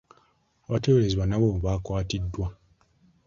Abateeberezebwa nabo baakwatiddwa.